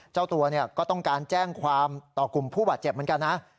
เจ้าตัวก็ต้องการแจ้งความต่อกลุ่มผู้บาดเจ็บเหมือนกันนะ